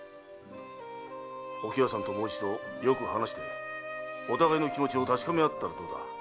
お喜和さんともう一度よく話して気持ちを確かめあったらどうだ？